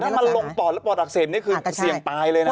ถ้ามันลงปอดแล้วปอดอักเสบนี่คือเสี่ยงตายเลยนะ